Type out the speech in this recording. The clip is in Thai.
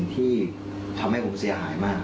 ที่ทำให้ผมเสียหายมาก